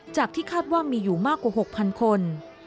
จากที่คาดล่ะว่ามีอยู่มากกว่าหกพันคน